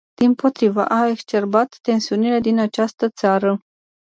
Dimpotrivă, a exacerbat tensiunile din această țară.